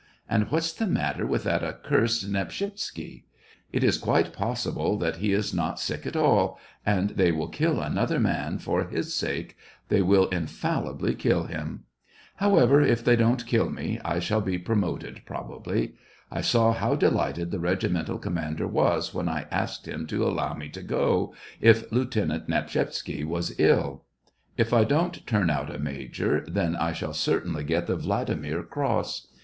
And what's the matter with that accursed Nepshisetsky } It is quite possible that he is not sick at all ; and they will kill another man for his sake, they will infallibly kill him. However, if they don't kill me, I shall be promoted probably. I saw how delighted the regimental commander was when I asked him to allow me to go, if Lieutenant Nepshisetsky was ill. If I don't turn out a major, then I shall certainly get the Vladi mir cross.